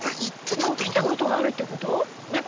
来たことがあるってこと？